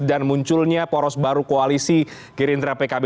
dan munculnya poros baru koalisi girindra pkb